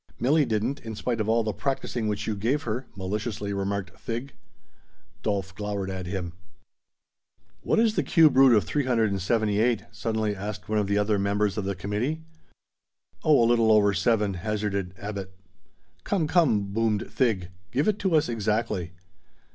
"Milli didn't, in spite of all the practicing which you gave her," maliciously remarked Thig. Dolf glowered at him. "What is the cube root of 378?" suddenly asked one of the other members of the committee. "Oh, a little over seven," hazarded Abbot. "Come, come," boomed Thig: "give it to us exactly."